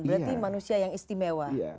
berarti manusia yang istimewa